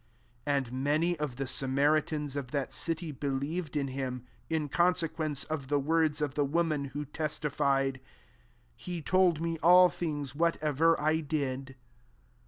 39 And many of the Sama ritans of that city believed in him, in consequence of the words of the woman, who testi fied, •* He told me all things whatever I did."